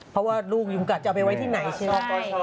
เพราะว่าลูกยุงกัดจะเอาไปไว้ที่ไหนใช่ไหม